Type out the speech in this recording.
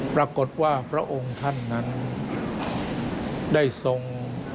ปรากฏว่าพระองค์ท่านนั้นได้ทรง